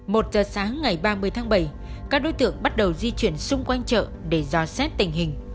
một giờ sáng ngày ba mươi tháng bảy các đối tượng bắt đầu di chuyển xung quanh chợ để dò xét tình hình